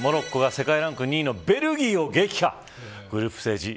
モロッコが世界ランキング２位のベルギーを撃破。